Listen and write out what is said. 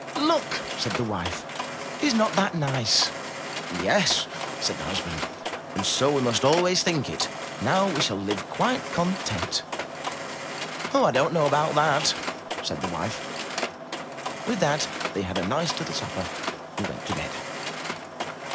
Look! said the wife, ''Is not that nice? *'Yes, said the husband, ''and so we must always think it, — now we shall live quite content.'* "Oh, I don*t know about that! said the wife. With that they had a nice little supper and went to bed.